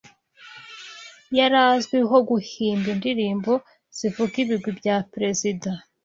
Yari azwiho guhimba indirimbo zivuga ibigwi bya Perezida